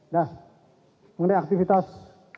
nah mengenai aktivitas